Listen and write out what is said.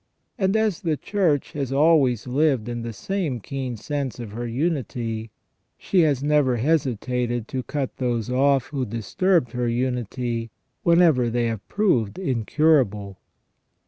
And as the Church has always lived in the same keen sense of her unity, she has never hesitated to cut those off who disturbed her unity, whenever they have proved incurable.